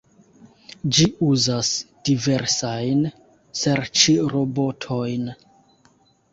Ĝi uzas diversajn serĉrobotojn.